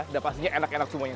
dan pastinya enak enak semuanya